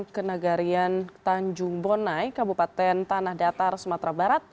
ke nagarian tanjung bonai kabupaten tanah datar sumatera barat